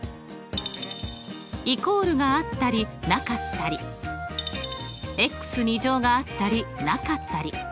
イコールがあったりなかったり。があったりなかったり。